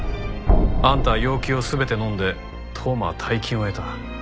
あんたは要求を全てのんで当麻は大金を得た。